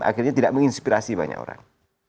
akhirnya tidak menginspirasi banyak orang